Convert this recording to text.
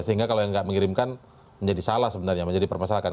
sehingga kalau yang tidak mengirimkan menjadi salah sebenarnya menjadi permasalahkan